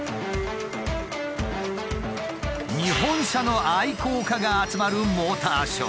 日本車の愛好家が集まるモーターショー。